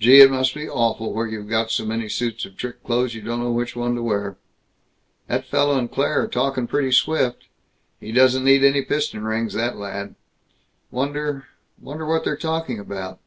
Gee, it must be awful where you've got so many suits of trick clothes you don't know which one to wear. "That fellow and Claire are talking pretty swift. He doesn't need any piston rings, that lad. Wonder wonder what they're talking about?